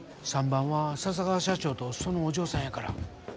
３番は笹川社長とそのお嬢さんやから。